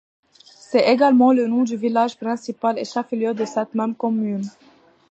C'est également le nom du village principal et chef-lieu de cette même commune.